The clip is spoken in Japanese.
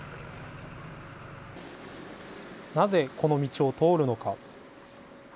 なぜこの道を通るのか。